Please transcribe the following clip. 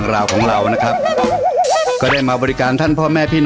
โอ้โฮพี่ปังเปิดธุรกิจใหม่เหรอคะเนี่ย